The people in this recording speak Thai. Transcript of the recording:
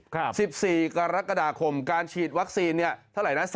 ๑๔กรกฎาคมการฉีดวัคซีนเท่าไรนะ